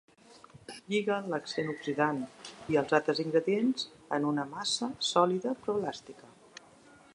Lliga l'agent oxidant i els altres ingredients en una massa sòlida però elàstica.